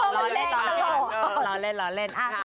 ล้อเล่น